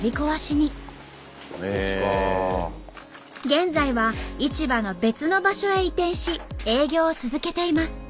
現在は市場の別の場所へ移転し営業を続けています。